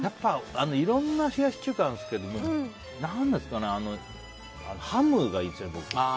いろんな冷やし中華ありますけどハムがいいですね、僕。